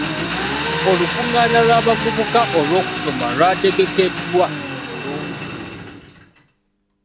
Olukungaana lwabavuka olw'okusoma lwategekeddwa bulungi.